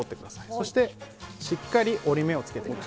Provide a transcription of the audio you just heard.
そしてしっかり折り目をつけておきます。